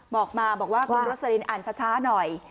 บอกมาบอกว่าคุณโรสลินอ่านช้าหน่อย